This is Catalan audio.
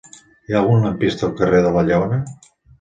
Hi ha algun lampista al carrer de la Lleona?